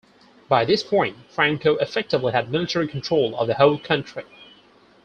By this point, Franco effectively had military control of the whole country.